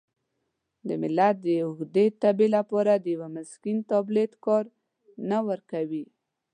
د ملت د اوږدې تبې لپاره د یوه مسکن تابلیت کار نه ورکوي.